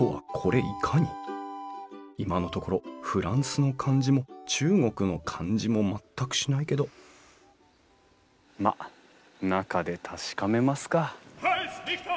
今のところフランスの感じも中国の感じも全くしないけどまっ中で確かめますか。